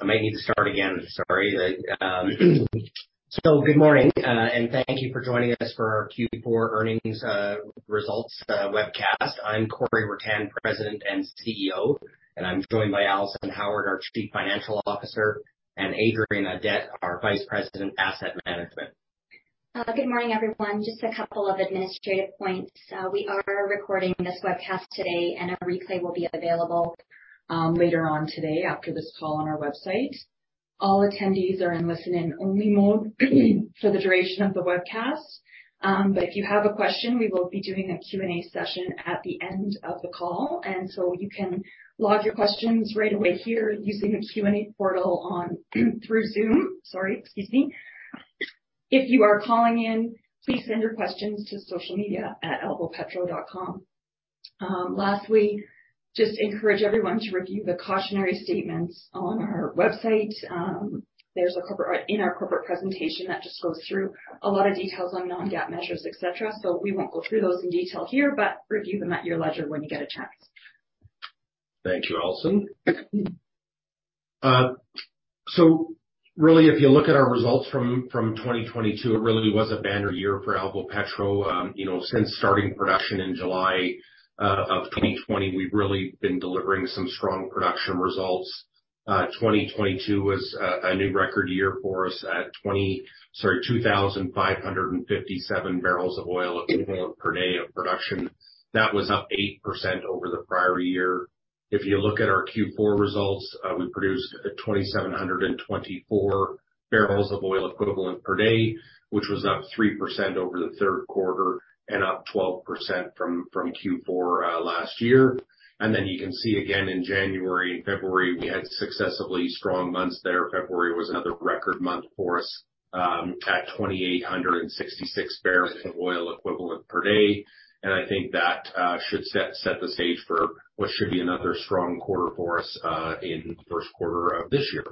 I might need to start again. Sorry. Good morning, and thank you for joining us for our Q4 Earnings Results Webcast. I'm Corey Ruttan, President and CEO, and I'm joined by Alison Howard, our Chief Financial Officer, and Adrian Audet, our Vice President, Asset Management. Good morning, everyone. Just a couple of administrative points. We are recording this webcast today, and a replay will be available later on today after this call on our website. All attendees are in listen-in only mode for the duration of the webcast. If you have a question, we will be doing a Q&A session at the end of the call. You can log your questions right away here using the Q&A portal through Zoom. Sorry. Excuse me. If you are calling in, please send your questions to socialmedia@alvopetro.com. Lastly, just encourage everyone to review the cautionary statements on our website. There's a corporate presentation that just goes through a lot of details on non-GAAP measures, et cetera. We won't go through those in detail here, but review them at your leisure when you get a chance. Thank you, Alison. Really, if you look at our results from 2022, it really was a banner year for Alvopetro. You know, since starting production in July 2020, we've really been delivering some strong production results. 2022 was a new record year for us at 2,557 barrels of oil equivalent per day of production. That was up 8%, over the prior year. If you look at our Q4 results, we produced 2,724 barrels of oil equivalent per day, which was up 3%, over the third quarter and up 12%, from Q4 last year. You can see again in January and February we had successively strong months there. February was another record month for us at 2,866 barrels of oil equivalent per day. I think that should set the stage for what should be another strong quarter for us in the first quarter of this year.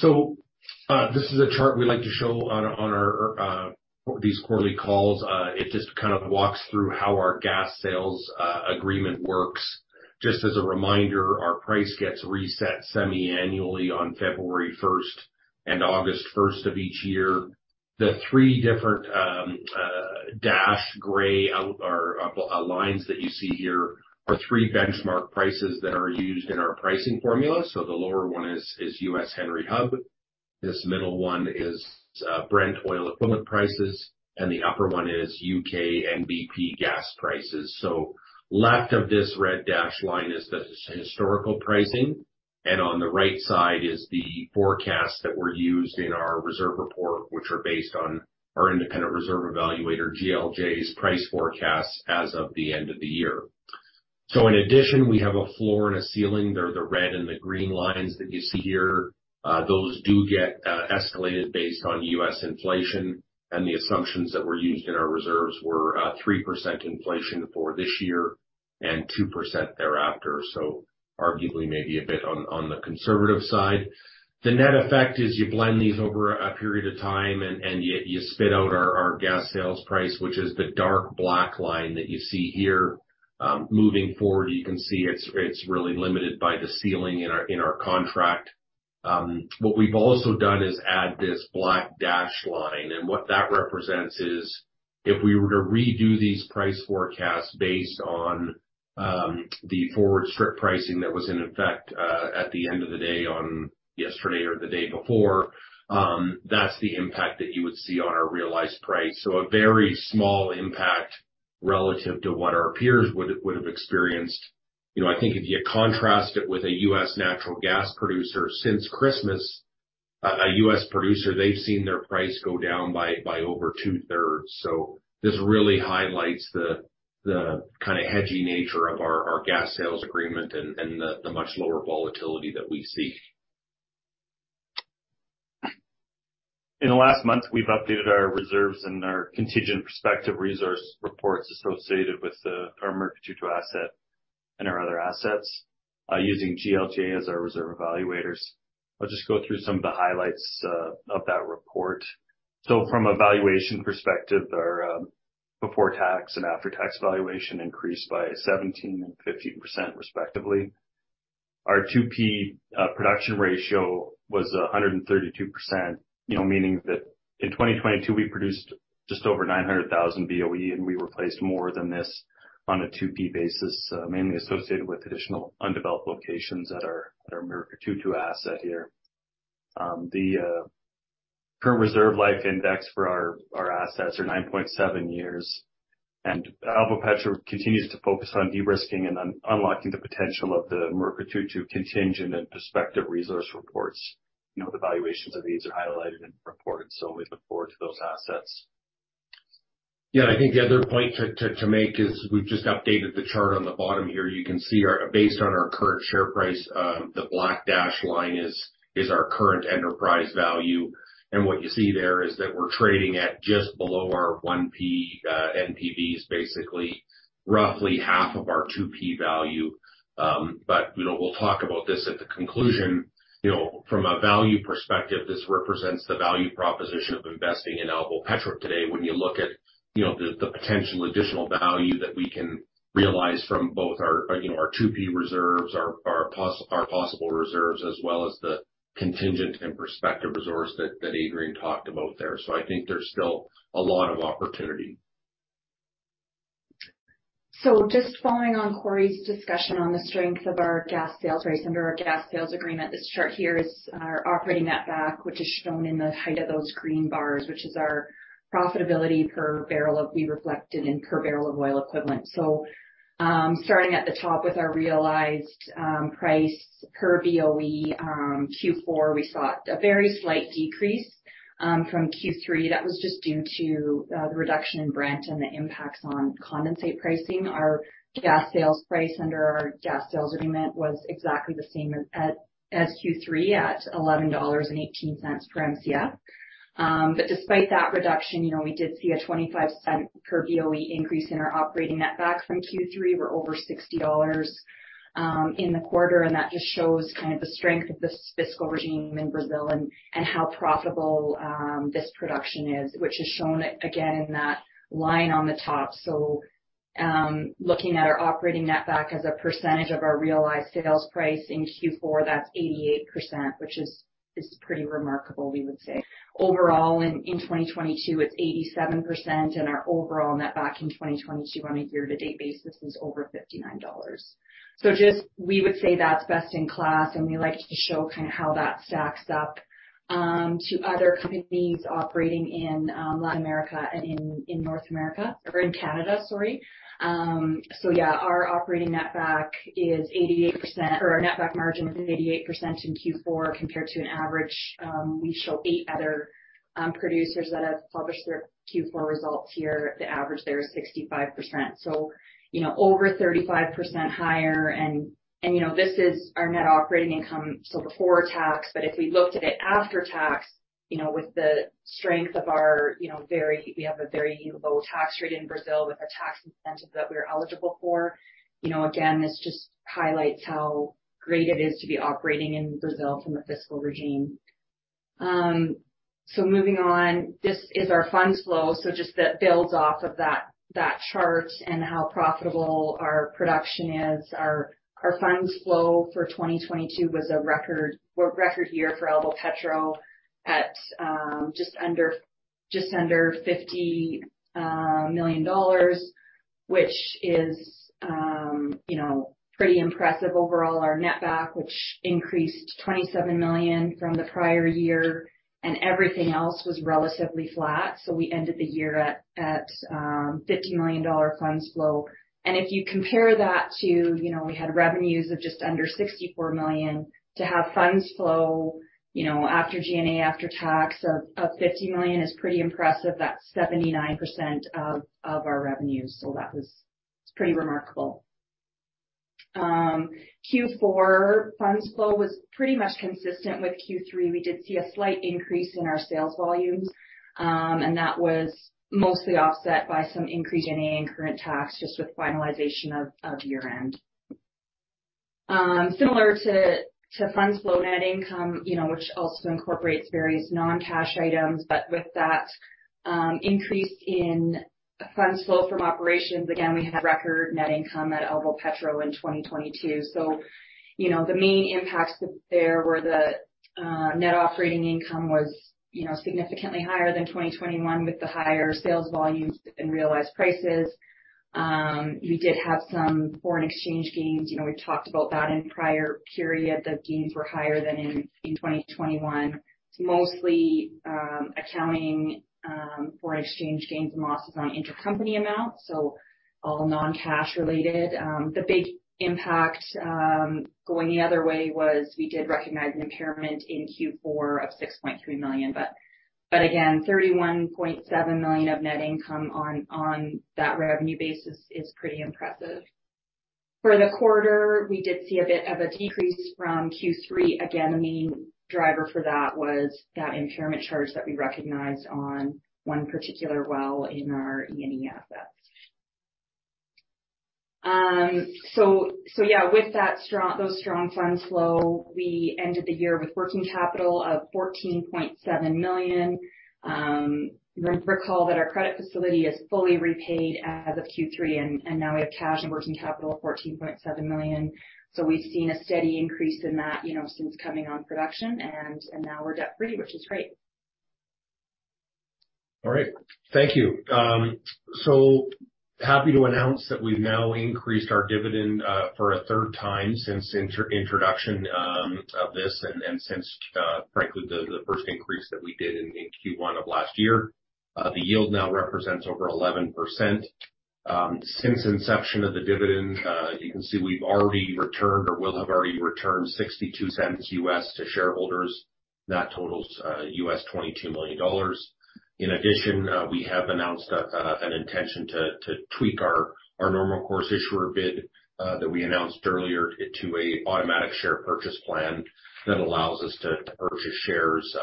This is a chart we like to show on our these quarterly calls. It just kind of walks through how our Gas Sales Agreement works. Just as a reminder, our price gets reset semi-annually on February 1st and August 1st of each year. The three different lines that you see here are three benchmark prices that are used in our pricing formula. The lower one is U.S. Henry Hub. This middle one is Brent oil equivalent prices, and the upper one is UK NBP gas prices. Left of this red dashed line is the historical pricing, and on the right side is the forecast that were used in our reserve report, which are based on our independent reserve evaluator, GLJ's price forecast as of the end of the year. In addition, we have a floor and a ceiling. They're the red and the green lines that you see here. Those do get escalated based on U.S. inflation. The assumptions that were used in our reserves were 3%, inflation for this year and 2%, thereafter. Arguably maybe a bit on the conservative side. The net effect is you blend these over a period of time and you spit out our gas sales price, which is the dark black line that you see here. Moving forward, you can see it's really limited by the ceiling in our contract. What we've also done is add this black dash line, and what that represents is if we were to redo these price forecasts based on the forward strip pricing that was in effect at the end of the day on yesterday or the day before, that's the impact that you would see on our realized price. A very small impact relative to what our peers would have experienced. You know, I think if you contrast it with a U.S. natural gas producer since Christmas, a U.S. producer, they've seen their price go down by over two-thirds. This really highlights the kinda hedgy nature of our Gas Sales Agreement and the much lower volatility that we see. In the last month, we've updated our reserves and our contingent prospective resource reports associated with our Murucututu asset and our other assets, using GLJ as our reserve evaluators. I'll just go through some of the highlights of that report. From a valuation perspective, our before tax and after tax valuation increased by 17% and 15% respectively. Our 2P production ratio was 132%, you know, meaning that in 2022 we produced just over 900,000 BOE, and we replaced more than this on a 2P basis, mainly associated with additional undeveloped locations at our Murucututu asset here. The current reserve life index for our assets are 9.7 years, Alvopetro continues to focus on de-risking and un-unlocking the potential of the Murucututu contingent and prospective resource reports. You know, the valuations of these are highlighted and reported, so we look forward to those assets. Yeah. I think the other point to make is we've just updated the chart on the bottom here. You can see based on our current share price, the black dash line is our current enterprise value. What you see there is that we're trading at just below our 1P NPV is basically roughly half of our 2P value. You know, we'll talk about this at the conclusion. You know, from a value perspective, this represents the value proposition of investing in Alvopetro today. When you look at, you know, the potential additional value that we can realize from both our, you know, our 2P reserves, our possible reserves, as well as the contingent and prospective resource that Adrian talked about there. I think there's still a lot of opportunity. Just following on Corey's discussion on the strength of our gas sales rate under our Gas Sales Agreement, this chart here is our operating netback, which is shown in the height of those green bars, which is our profitability per barrel of oil equivalent. Starting at the top with our realized price per BOE, Q4, we saw a very slight decrease from Q3. That was just due to the reduction in Brent and the impacts on condensate pricing. Our gas sales price under our Gas Sales Agreement was exactly the same as Q3 at $11.18 per Mcf. Despite that reduction, you know, we did see a $0.25 per BOE increase in our operating netback from Q3. We're over $60 in the quarter, that just shows kind of the strength of this fiscal regime in Brazil and how profitable this production is. Which is shown again in that line on the top. Looking at our operating netback as a percentage of our realized sales price in Q4, that's 88%, which is pretty remarkable, we would say. Overall in 2022, it's 87%, and our overall netback in 2022 on a year-to-date basis is over $59. Just we would say that's best in class, and we like to show kind of how that stacks up to other companies operating in Latin America and in North America, or in Canada, sorry. Yeah, our operating netback is 88%, or our net back margin is 88%, in Q4 compared to an average, we show 8 other producers that have published their Q4 results here. The average there is 65%, you know, over 35% higher. You know, this is our net operating income, so before tax. If we looked at it after tax, you know, with the strength of our, you know, we have a very low tax rate in Brazil with our tax incentives that we are eligible for. You know, again, this just highlights how great it is to be operating in Brazil from a fiscal regime. Moving on. This is our funds flow. Just that builds off of that chart and how profitable our production is. Our funds flow for 2022 was a record year for Alvopetro at just under $50 million, which is, you know, pretty impressive. Overall, our net back, which increased $27 million from the prior year, and everything else was relatively flat. We ended the year at $50 million funds flow. If you compare that to, you know, we had revenues of just under $64 million to have funds flow, you know, after G&A, after tax of $50 million is pretty impressive. That's 79%, of our revenues. That was pretty remarkable. Q4 funds flow was pretty much consistent with Q3. We did see a slight increase in our sales volumes, and that was mostly offset by some increased G&A and current tax just with finalization of year-end. Similar to funds flow net income, you know, which also incorporates various non-cash items. With that increase in funds flow from operations, again, we had record net income at Alvopetro in 2022. You know, the main impacts there were the net operating income was, you know, significantly higher than 2021 with the higher sales volumes and realized prices. We did have some foreign exchange gains. You know, we talked about that in prior period, the gains were higher than in 2021, mostly accounting foreign exchange gains and losses on intercompany amounts, so all non-cash related. The big impact going the other way was we did recognize an impairment in Q4 of $6.3 million. Again, $31.7 million of net income on that revenue basis is pretty impressive. For the quarter, we did see a bit of a decrease from Q3. Again, the main driver for that was that impairment charge that we recognized on one particular well in our E&E assets. So, yeah, with those strong funds flow, we ended the year with working capital of $14.7 million. Recall that our credit facility is fully repaid as of Q3, and now we have cash and working capital of $14.7 million. We've seen a steady increase in that, you know, since coming on production and now we're debt free, which is great. All right. Thank you. Happy to announce that we've now increased our dividend for a third time since introduction of this and since, frankly, the first increase that we did in Q1 of last year. The yield now represents over 11%. Since inception of the dividend, you can see we've already returned or will have already returned $0.62 US to shareholders. That totals $22 million. In addition, we have announced an intention to tweak our normal course issuer bid that we announced earlier to an automatic share purchase plan that allows us to purchase shares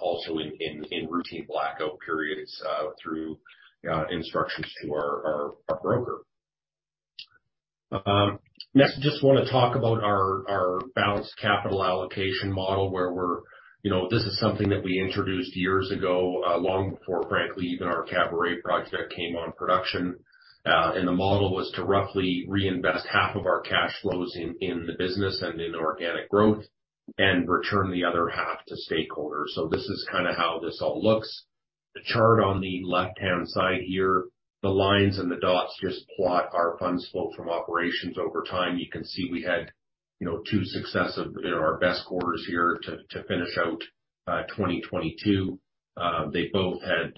also in routine blackout periods through instructions to our broker. Next, just wanna talk about our balanced capital allocation model where we're, you know... This is something that we introduced years ago, long before, frankly, even our Caburé project came on production. The model was to roughly reinvest half of our cash flows in the business and in organic growth and return the other half to stakeholders. This is kind of how this all looks. The chart on the left-hand side here, the lines and the dots just plot our funds flow from operations over time. You can see we had, you know, two successive, you know, our best quarters here to finish out 2022. They both had,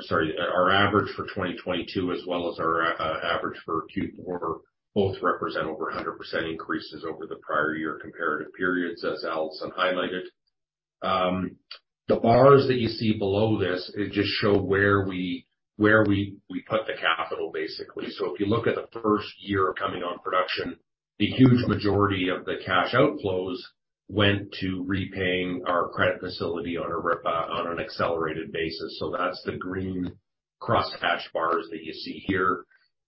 sorry. Our average for 2022 as well as our average for Q4 both represent over 100% increases over the prior year comparative periods, as Alison highlighted. The bars that you see below this, it just show where we put the capital basically. If you look at the first year of coming on production, the huge majority of the cash outflows went to repaying our credit facility on an accelerated basis. That's the green cross hash bars that you see here.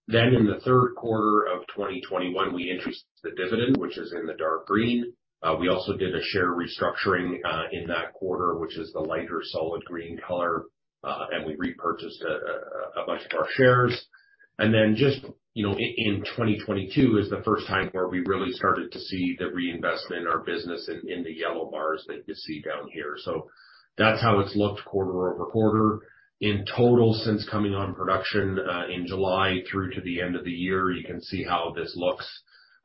In the third quarter of 2021, we introduced the dividend, which is in the dark green. We also did a share restructuring in that quarter, which is the lighter solid green color, and we repurchased a bunch of our shares. Just, you know, in 2022 is the first time where we really started to see the reinvestment in our business in the yellow bars that you see down here. That's how it's looked quarter-over-quarter. In total since coming on production, in July through to the end of the year, you can see how this looks.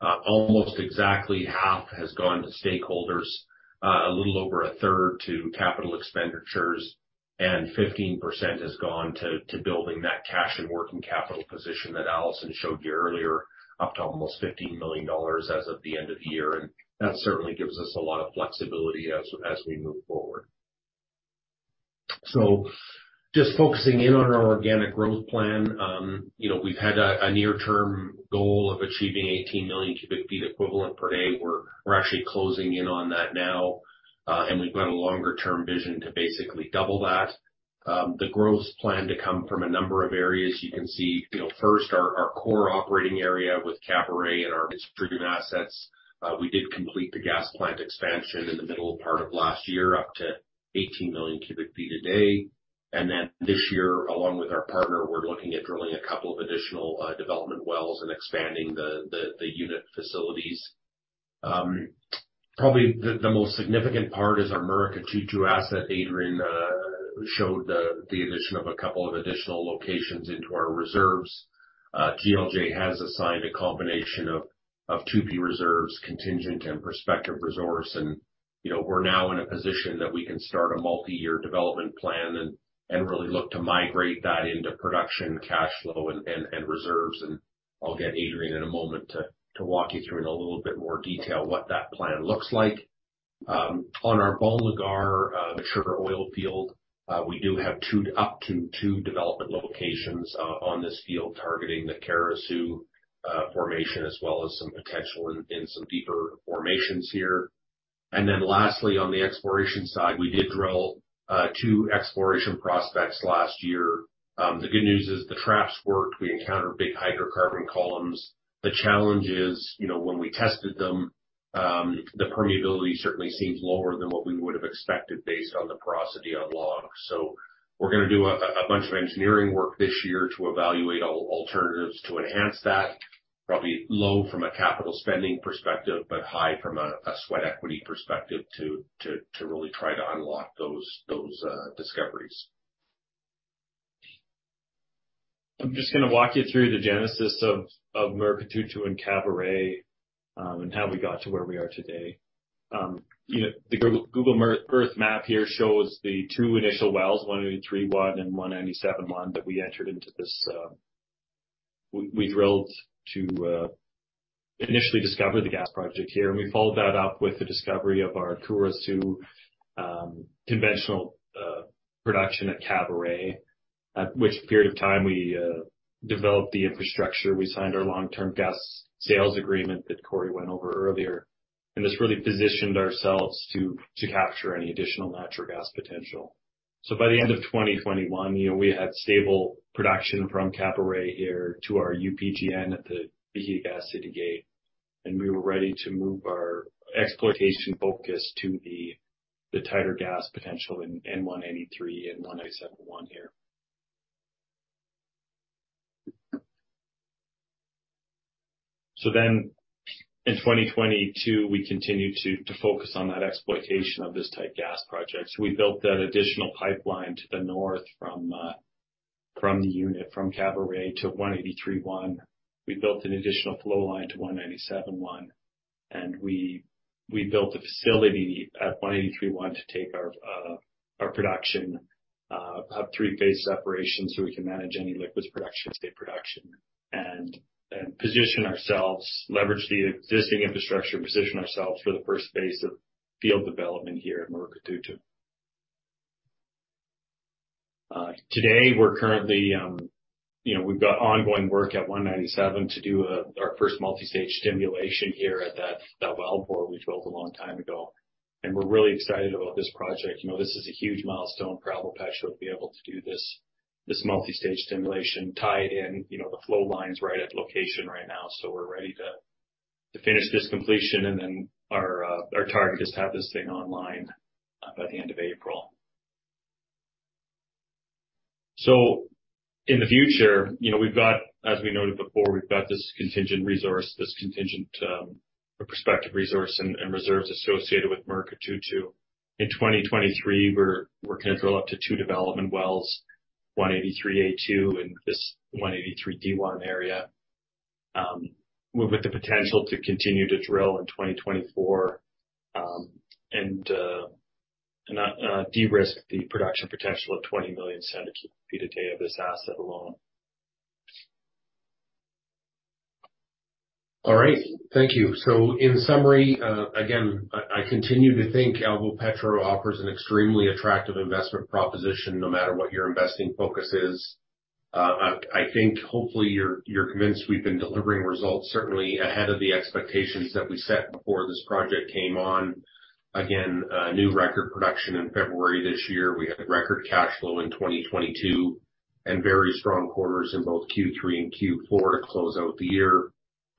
Almost exactly half has gone to stakeholders, a little over a third to capital expenditures, 15%, has gone to building that cash and working capital position that Alison showed you earlier, up to almost $15 million as of the end of the year. That certainly gives us a lot of flexibility as we move forward. Just focusing in on our organic growth plan, you know, we've had a near-term goal of achieving 18 million cubic feet equivalent per day. We're actually closing in on that now, we've got a longer-term vision to basically double that. The growth's planned to come from a number of areas. You can see, you know, first our core operating area with Caburé and our distributed assets. We did complete the gas plant expansion in the middle part of last year, up to 18 million cubic feet a day. This year, along with our partner, we're looking at drilling a couple of additional development wells and expanding the, the unit facilities. Probably the most significant part is our Murucututu asset. Adrian showed the addition of a couple of additional locations into our reserves. GLJ has assigned a combination of 2P reserves, contingent and prospective resource. You know, we're now in a position that we can start a multi-year development plan and really look to migrate that into production cash flow and, and reserves. I'll get Adrian in a moment to walk you through in a little bit more detail what that plan looks like. On our Bom Lugar mature oil field, we do have up to 2 development locations on this field targeting the Caruaçu formation as well as some potential in some deeper formations here. Lastly, on the exploration side, we did drill 2 exploration prospects last year. The good news is the traps worked. We encountered big hydrocarbon columns. The challenge is, you know, when we tested them, the permeability certainly seems lower than what we would have expected based on the porosity of logs. We're gonna do a bunch of engineering work this year to evaluate all alternatives to enhance that. Probably low from a capital spending perspective, but high from a sweat equity perspective to really try to unlock those discoveries. I'm just gonna walk you through the genesis of Murucututu and Caburé, and how we got to where we are today. You know, the Google Earth map here shows the two initial wells, 183-1 and 197-1, that we entered into this. We drilled to initially discover the gas project here, and we followed that up with the discovery of our Caruaçu conventional production at Caburé, at which period of time we developed the infrastructure. We signed our long-term Gas Sales Agreement that Corey went over earlier, and this really positioned ourselves to capture any additional natural gas potential. By the end of 2021, you know, we had stable production from Caburé here to our UPGN at the Bahiagás City Gate, and we were ready to move our exploitation focus to the tighter gas potential in 183 and 197-1 here. In 2022, we continued to focus on that exploitation of this tight gas project. We built that additional pipeline to the north from the unit, from Caburé to 183-1. We built an additional flow line to 197-1, and we built a facility at 183-1 to take our production. Have three-phase separation so we can manage any liquids production, state production, and leverage the existing infrastructure and position ourselves for the first phase of field development here at Murucututu. Today we're currently, you know, we've got ongoing work at 197 to do, our first multi-stage stimulation here at that wellbore we drilled a long time ago. We're really excited about this project. You know, this is a huge milestone for Alvopetro to be able to do this multi-stage stimulation tied in, you know, the flow lines right at the location right now. We're ready to finish this completion, and then our target is to have this thing online, by the end of April. In the future, you know, we've got... As we noted before, we've got this contingent resource, this contingent, or prospective resource and reserves associated with Murucututu. In 2023, we're gonna drill up to two development wells, 183 A2 and this 183 D1 area, with the potential to continue to drill in 2024, and de-risk the production potential of 20 million standard cubic feet a day of this asset alone. All right. Thank you. In summary, I continue to think Alvopetro offers an extremely attractive investment proposition, no matter what your investing focus is. I think hopefully you're convinced we've been delivering results certainly ahead of the expectations that we set before this project came on. Again, a new record production in February this year. We had record cash flow in 2022 and very strong quarters in both Q3 and Q4 to close out the year.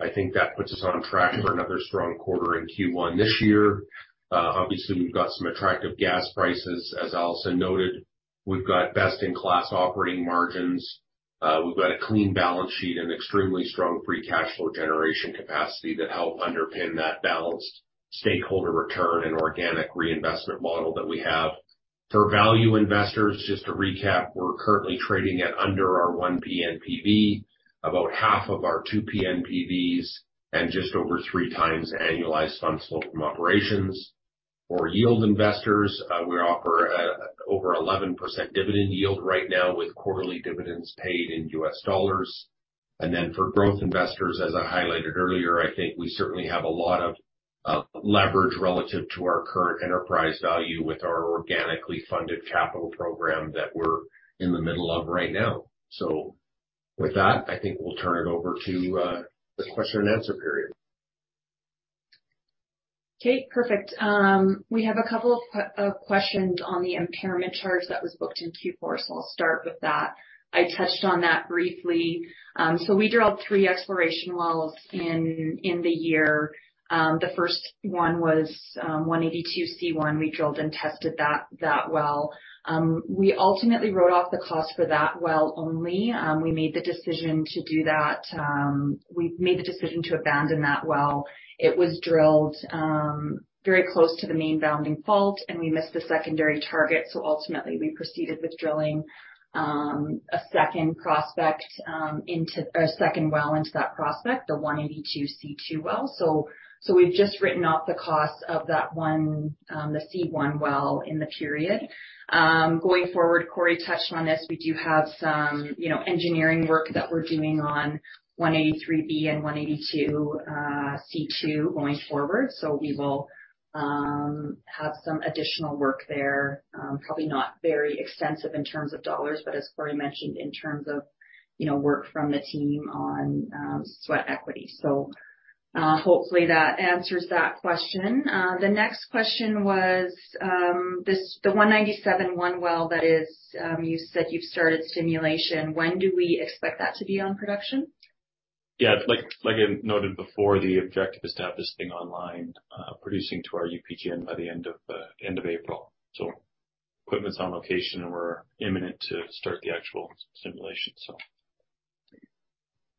I think that puts us on track for another strong quarter in Q1 this year. Obviously, we've got some attractive gas prices. As Alison noted, we've got best-in-class operating margins. We've got a clean balance sheet and extremely strong funds flow from operations generation capacity to help underpin that balanced stakeholder return and organic reinvestment model that we have. For value investors, just to recap, we're currently trading at under our 1P NPV, about half of our 2P NPVs, and just over 3 times annualized funds flow from operations. For yield investors, we offer over 11%, dividend yield right now with quarterly dividends paid in USD. For growth investors, as I highlighted earlier, I think we certainly have a lot of leverage relative to our current enterprise value with our organically funded capital program that we're in the middle of right now. With that, I think we'll turn it over to the question and answer period. Okay, perfect. We have a couple of questions on the impairment charge that was booked in Q4. I'll start with that. I touched on that briefly. We drilled three exploration wells in the year. The first one was 182 C one. We drilled and tested that well. We ultimately wrote off the cost for that well only. We made the decision to do that. We made the decision to abandon that well. It was drilled very close to the main bounding fault, and we missed the secondary target. Ultimately we proceeded with drilling a second prospect, a second well into that prospect, the 182 C two well. We've just written off the cost of that one, the C one well in the period. Going forward, Corey touched on this. We do have some, you know, engineering work that we're doing on 183B and 182 C2 going forward. We will have some additional work there. Probably not very extensive in terms of dollars, but as Corey mentioned, in terms of, you know, work from the team on sweat equity. Hopefully that answers that question. The next question was, the 197-1 well that is, you said you've started stimulation. When do we expect that to be on production? Yeah. Like I noted before, the objective is to have this thing online, producing to our UPGN by the end of April. Equipment's on location, and we're imminent to start the actual stimulation, so.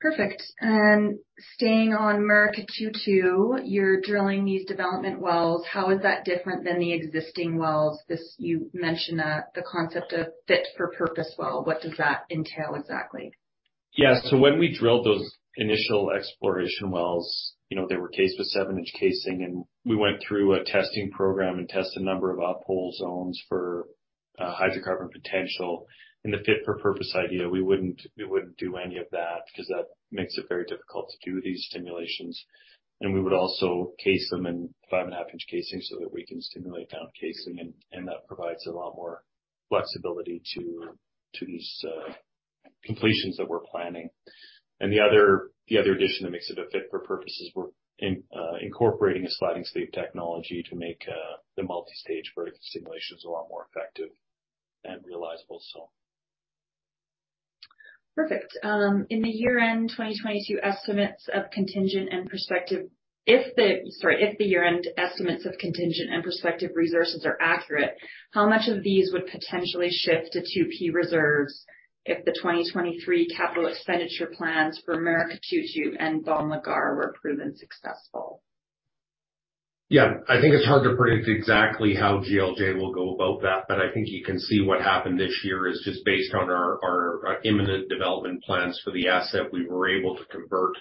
Perfect. Staying on Murucututu, you're drilling these development wells. How is that different than the existing wells? You mentioned the concept of fit for purpose well. What does that entail exactly? Yeah. When we drilled those initial exploration wells, you know, they were cased with seven-inch casing, and we went through a testing program and tested a number of our pole zones for hydrocarbon potential. In the fit for purpose idea, we wouldn't do any of that because that makes it very difficult to do these stimulations. We would also case them in five and a half inch casing so that we can stimulate down casing and that provides a lot more flexibility to these completions that we're planning. The other addition that makes it a fit for purpose is we're incorporating a sliding sleeve technology to make the multi-stage vertical stimulations a lot more effective and realizable, so. Perfect. If the year-end 2022 estimates of contingent and prospective resources are accurate, how much of these would potentially shift to 2P reserves if the 2023 capital expenditure plans for Murucututu and Bom Lugar were proven successful? Yeah. I think it's hard to predict exactly how GLJ will go about that. I think you can see what happened this year is just based on our imminent development plans for the asset. We were able to convert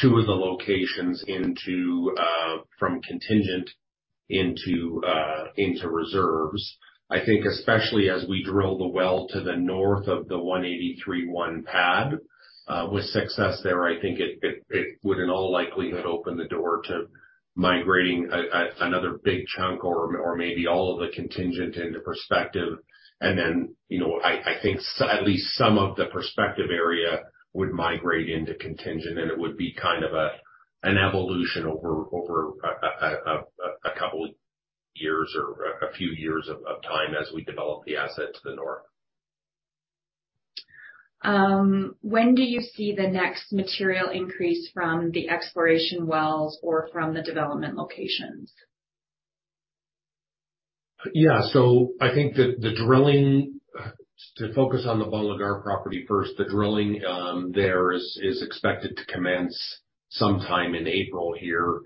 two of the locations into from contingent into into reserves. I think especially as we drill the well to the north of the 1831 pad, with success there, I think it would in all likelihood open the door to migrating another big chunk or maybe all of the contingent into prospective. You know, I think at least some of the prospective area would migrate into contingent, and it would be kind of an evolution over a couple years or a few years of time as we develop the asset to the north. When do you see the next material increase from the exploration wells or from the development locations? I think To focus on the Bom Lugar property first, the drilling is expected to commence sometime in April here.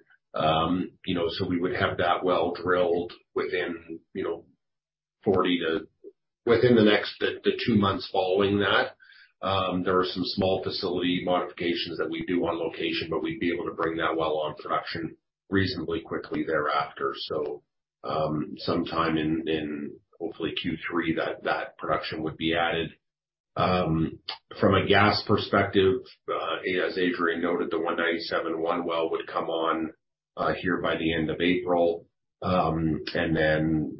You know, we would have that well drilled within, you know, 40 to within the next two months following that. There are some small facility modifications that we do on location, but we'd be able to bring that well on production reasonably quickly thereafter. Sometime in, hopefully Q3, that production would be added. From a gas perspective, as Adrian noted, the 197-1 well would come on here by the end of April. The,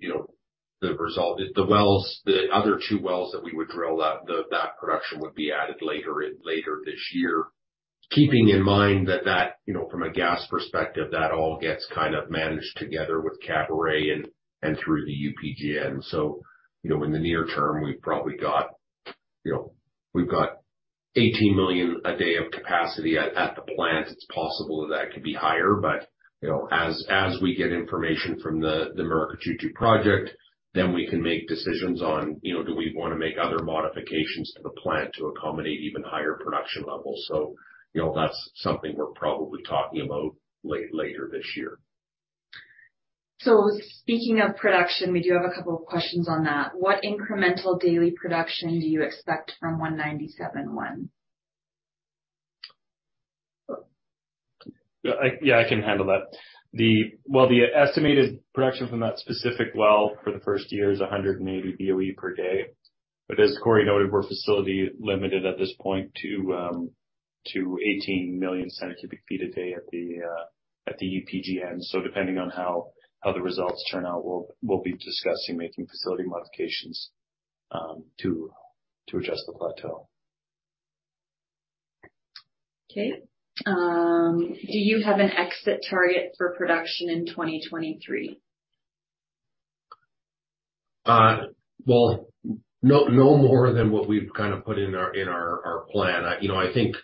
you know, the result, the wells, the other two wells that we would drill, that production would be added later this year. Keeping in mind that, you know, from a gas perspective, that all gets kind of managed together with Caburé and through the UPGN. You know, in the near term, we've probably got, you know, we've got 18 million a day of capacity at the plant. It's possible that that could be higher, but, you know, as we get information from the Murucututu project, then we can make decisions on, you know, do we wanna make other modifications to the plant to accommodate even higher production levels. You know, that's something we're probably talking about later this year. Speaking of production, we do have a couple of questions on that. What incremental daily production do you expect from 197-1? Yeah, I can handle that. Well, the estimated production from that specific well for the first year is 180 BOE per day. As Corey noted, we're facility limited at this point to 18 million standard cubic feet a day at the UPGN. Depending on how the results turn out, we'll be discussing making facility modifications to adjust the plateau. Okay. Do you have an exit target for production in 2023? Well, no more than what we've kind of put in our, in our plan. You know, I think,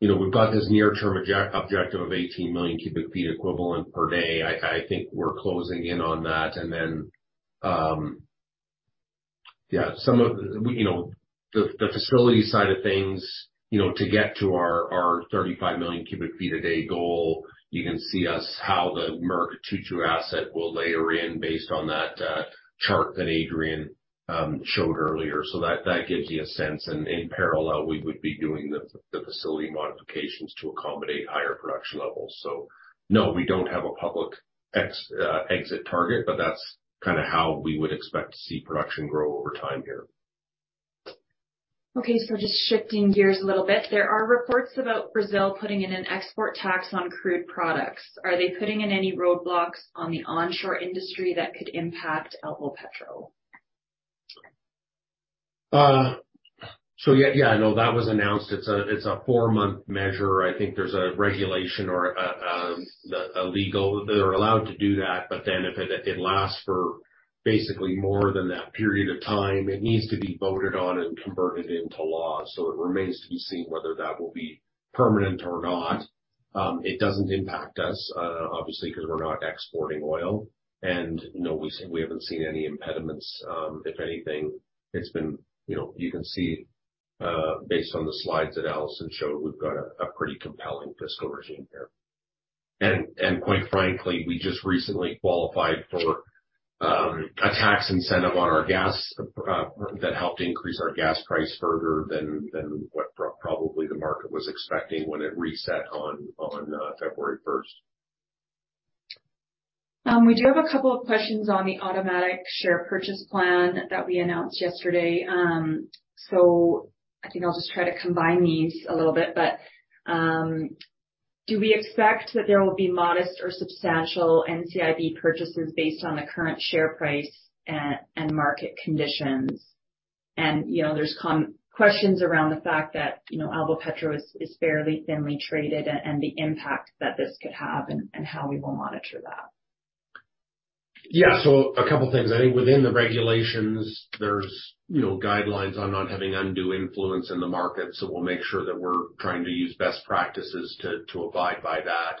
you know, we've got this near-term objective of 18 million cubic feet equivalent per day. I think we're closing in on that. Yeah, some of, you know, the facility side of things, you know, to get to our 35 million cubic feet a day goal, you can see us how the Murucututu asset will layer in based on that, chart that Adrian showed earlier. That, that gives you a sense. In parallel, we would be doing the facility modifications to accommodate higher production levels. No, we don't have a public exit target, but that's kinda how we would expect to see production grow over time here. Just shifting gears a little bit. There are reports about Brazil putting in an export tax on crude products. Are they putting in any roadblocks on the onshore industry that could impact Alvopetro? yeah, no, that was announced. It's a 4-month measure. I think there's a regulation or a legal. They're allowed to do that, if it lasts for basically more than that period of time, it needs to be voted on and converted into law. It remains to be seen whether that will be permanent or not. It doesn't impact us, obviously, because we're not exporting oil. No, we haven't seen any impediments. If anything, it's been, you know, you can see, based on the slides that Alison showed, we've got a pretty compelling fiscal regime here. Quite frankly, we just recently qualified for a tax incentive on our gas that helped increase our gas price further than what probably the market was expecting when it reset on February first. We do have a couple of questions on the automatic share purchase plan that we announced yesterday. I think I'll just try to combine these a little bit. Do we expect that there will be modest or substantial NCIB purchases based on the current share price and market conditions? You know, there's questions around the fact that, you know, Alvopetro is fairly thinly traded, and the impact that this could have and how we will monitor that. Yeah. A couple of things. I think within the regulations, there's, you know, guidelines on not having undue influence in the market, so we'll make sure that we're trying to use best practices to abide by that.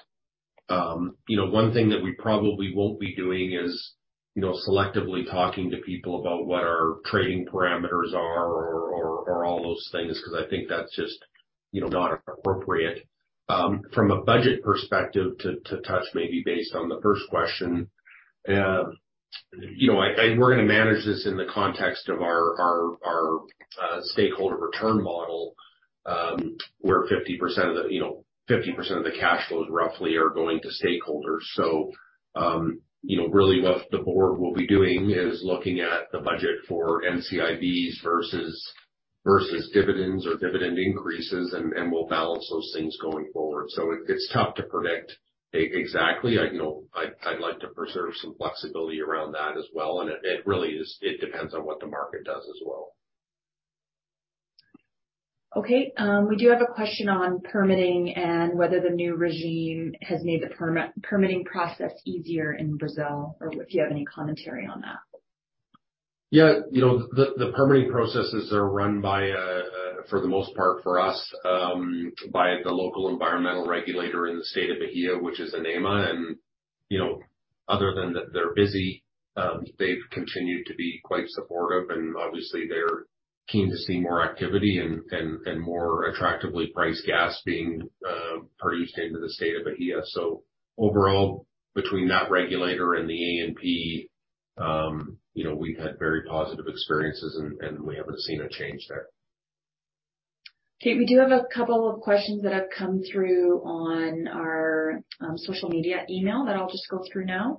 You know, one thing that we probably won't be doing is, you know, selectively talking to people about what our trading parameters are or all those things, because I think that's just, you know, not appropriate. From a budget perspective to touch maybe based on the first question, you know, we're gonna manage this in the context of our stakeholder return model, where 50%, of the cash flows roughly are going to stakeholders. You know, really what the board will be doing is looking at the budget for NCIBs versus dividends or dividend increases, and we'll balance those things going forward. It's tough to predict exactly. I, you know, I'd like to preserve some flexibility around that as well, and it really is, it depends on what the market does as well. We do have a question on permitting and whether the new regime has made the permitting process easier in Brazil, or if you have any commentary on that? Yeah. You know, the permitting processes are run by for the most part for us by the local environmental regulator in the state of Bahia, which is INEMA. You know, other than that they're busy, they've continued to be quite supportive and obviously they're keen to see more activity and more attractively priced gas being produced into the state of Bahia. Overall, between that regulator and the ANP, you know, we've had very positive experiences and we haven't seen a change there. Okay. We do have a couple of questions that have come through on our social media email that I'll just go through now.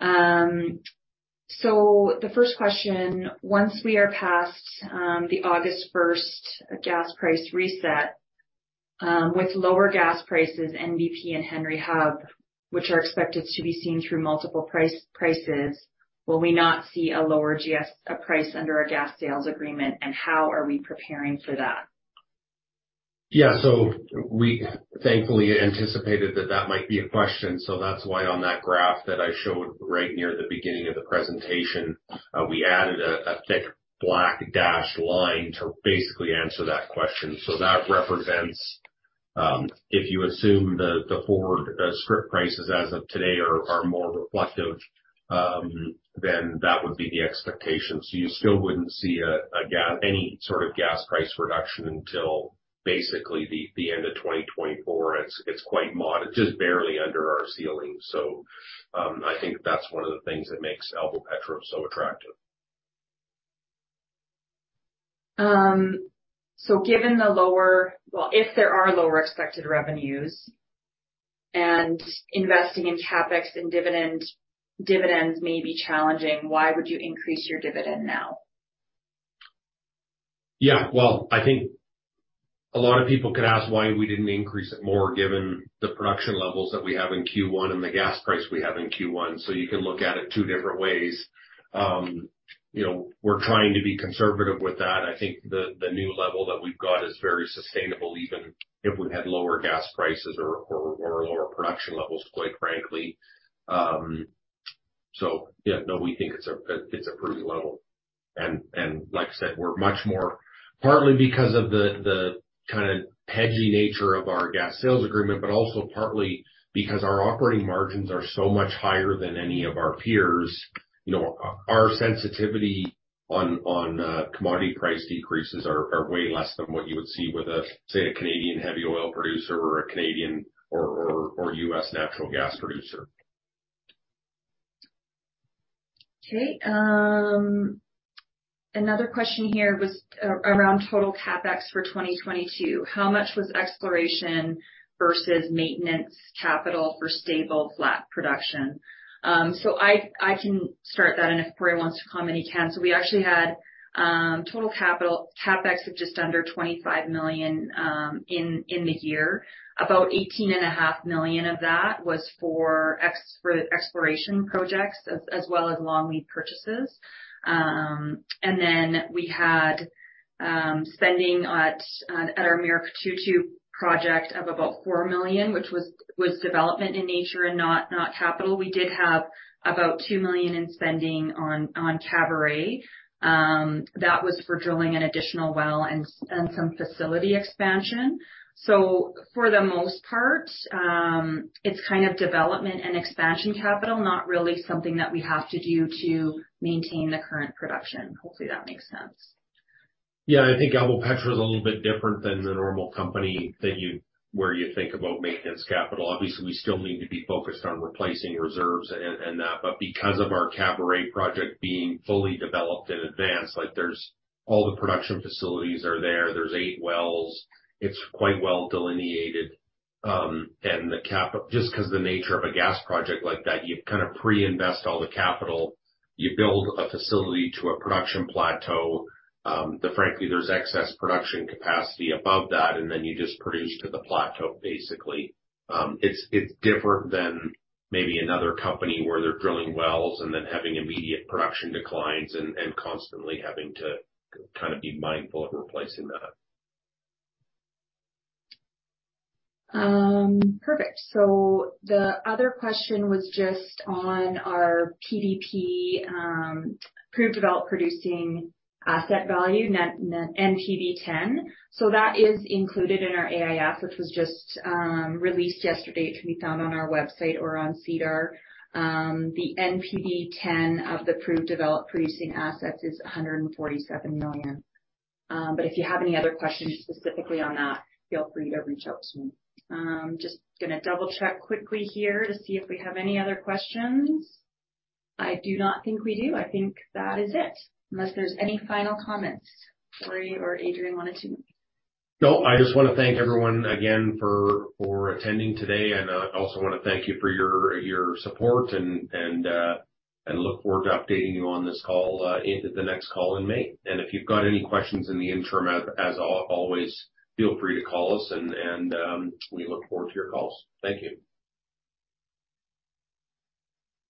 The first question, once we are past the August first gas price reset, with lower gas prices, NBP and Henry Hub, which are expected to be seen through multiple prices, will we not see a lower GSA price under our Gas Sales Agreement, and how are we preparing for that? We thankfully anticipated that that might be a question, so that's why on that graph that I showed right near the beginning of the presentation, we added a thick black dashed line to basically answer that question. That represents, if you assume the forward strip prices as of today are more reflective, then that would be the expectation. You still wouldn't see any sort of gas price reduction until basically the end of 2024. It's quite just barely under our ceiling. I think that's one of the things that makes Alvopetro so attractive. If there are lower expected revenues and investing in CapEx and dividends may be challenging, why would you increase your dividend now? Yeah. Well, I think a lot of people could ask why we didn't increase it more given the production levels that we have in Q1 and the gas price we have in Q1. You can look at it two different ways. You know, we're trying to be conservative with that. I think the new level that we've got is very sustainable, even if we had lower gas prices or lower production levels, quite frankly. Yeah, no, we think it's a pretty level. Like I said, we're much more, partly because of the kinda lumpy nature of our Gas Sales Agreement, but also partly because our operating margins are so much higher than any of our peers. You know, our sensitivity on, commodity price decreases are way less than what you would see with a, say, a Canadian heavy oil producer or a Canadian or, or US natural gas producer. Okay. Another question here was around total CapEx for 2022. How much was exploration versus maintenance capital for stable flat production? I can start that, and if Corey wants to comment, he can. We actually had total capital CapEx of just under $25 million in the year. About $18.5 million of that was for exploration projects as well as long lead purchases. Then we had spending at our Murucututu project of about $4 million, which was development in nature and not capital. We did have about $2 million in spending on Caburé that was for drilling an additional well and some facility expansion. For the most part, it's kind of development and expansion capital, not really something that we have to do to maintain the current production. Hopefully, that makes sense. I think Alvopetro is a little bit different than the normal company that you think about maintenance capital. Obviously, we still need to be focused on replacing reserves and that. Because of our Caburé project being fully developed in advance, like there's all the production facilities are there. There's eight wells. It's quite well delineated. Just 'cause the nature of a gas project like that, you kind of pre-invest all the capital. You build a facility to a production plateau that frankly, there's excess production capacity above that, and then you just produce to the plateau, basically. It's different than maybe another company where they're drilling wells and then having immediate production declines and constantly having to kind of be mindful of replacing that. Perfect. The other question was just on our PDP, proved developed producing asset value, NPV10. That is included in our AIF, which was just released yesterday. It can be found on our website or on SEDAR. The NPV10 of the proved developed producing assets is $147 million. If you have any other questions specifically on that, feel free to reach out to me. Just gonna double-check quickly here to see if we have any other questions. I do not think we do. I think that is it. Unless there's any final comments Corey or Adrian wanted to make. No. I just wanna thank everyone again for attending today. I also wanna thank you for your support and look forward to updating you on this call into the next call in May. If you've got any questions in the interim, as always, feel free to call us and we look forward to your calls. Thank you.